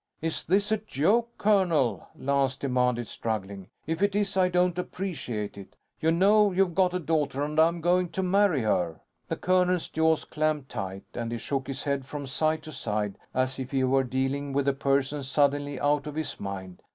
"Is this a joke, colonel?" Lance demanded, struggling. "If it is, I don't appreciate it. You know you've got a daughter, and I'm going to marry her!" The colonel's jaws clamped tight; and he shook his head from side to side, as if he were dealing with a person suddenly out of his mind.